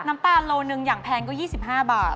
น้ำตาลโลหนึ่งอย่างแพงก็๒๕บาท